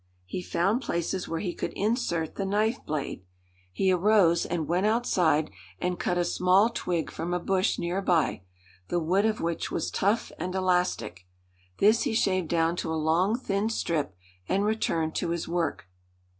he found places where he could insert the knife blade. He arose, and went outside and cut a small twig from a bush near by, the wood of which was tough and elastic. This he shaved down to a long, thin strip, and returned to his work.